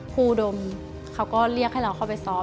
ครูดมเขาก็เรียกให้เราเข้าไปซ้อม